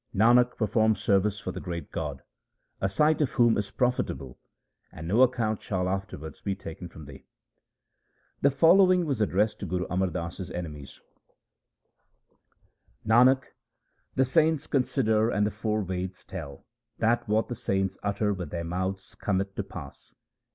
Nanak, perform service for the great God, a sight of whom is profitable, and no account shall afterwards be taken from thee. The following was addressed to Guru Amar Das's enemies :—■ Nanak, the saints consider and the four Veds tell That what the saints utter with their mouths cometh to pass.